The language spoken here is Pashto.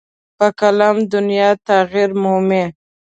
په قلم دنیا تغیر مومي.